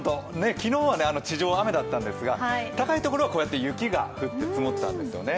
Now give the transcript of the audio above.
昨日は地上、雨だったんですが、高い所はこうやって雪が積もったんですよね。